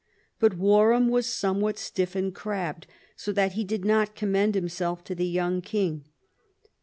But Warham was somewhat stiff and crabbed, so that he did not commend himself to the young king.